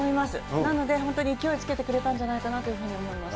なので、本当に勢いつけてくれたんじゃないかなというふうに思います。